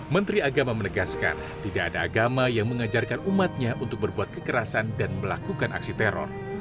menteri agama menegaskan tidak ada agama yang mengajarkan umatnya untuk berbuat kekerasan dan melakukan aksi teror